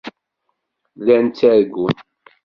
Llan ttargun.